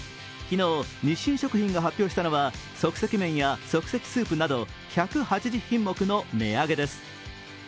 昨日、日清食品が発表したのは即席麺や即席スープなど１８０品目の値上げです。